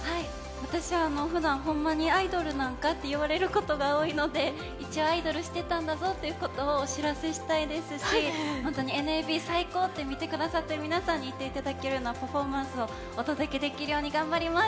私はふだん、ほんまにアイドルなんかと言われることが多いので、一応、アイドルしてたんだぞということをお知らせしたいですし本当にＮＭＢ最高って、見ていただいている皆さんに思っていただけるようなパフォーマンスをお届けできるように頑張ります。